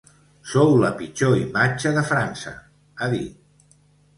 Sou la pitjor imatge de França, ha dit.